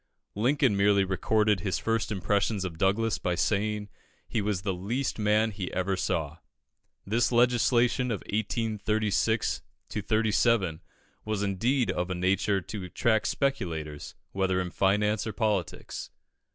Lincoln merely recorded his first impressions of Douglas by saying he was the least man he ever saw. This legislation of 1836 37 was indeed of a nature to attract speculators, whether in finance or politics.